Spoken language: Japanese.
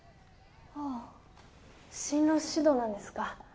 あぁ進路指導なんですか。